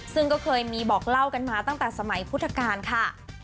ซึ่งก็เคยมีบอกเล่ากันมาตั้งแต่สมัยพุทธกาลค่ะ